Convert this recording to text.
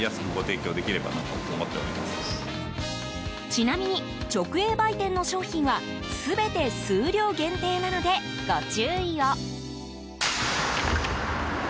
ちなみに直営売店の商品は全て数量限定なので、ご注意を。